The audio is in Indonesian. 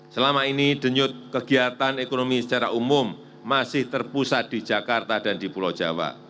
selama ini denyut kegiatan ekonomi secara umum masih terpusat di jakarta dan di pulau jawa